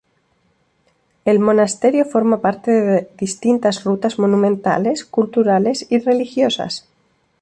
El monasterio forma parte de distintas rutas monumentales, culturales y religiosas.